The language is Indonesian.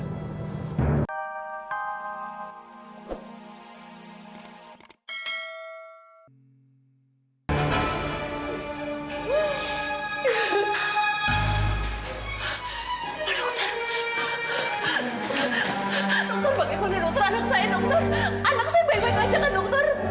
pak dokter dokter bagaimana dokter anak saya dokter anak saya baik baik saja kan dokter